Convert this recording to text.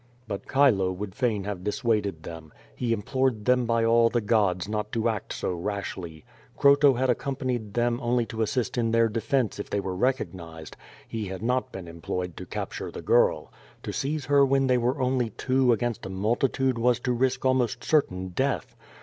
'' But Chilo would fain have dissuaded them. He implored them by all the gods not to act so rashly. Croto had accom panied them only to assist in their deft^se if they were recog nised. He had not been employed to capture the girl. To l66 QUO VADI8. Foizo hor when they were only two tngainst ii multitiido was to risk almost certain death.